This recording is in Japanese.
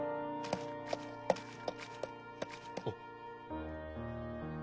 あっ。